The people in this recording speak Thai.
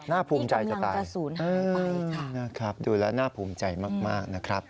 ภูมิใจจะตายนะครับดูแล้วน่าภูมิใจมากนะครับ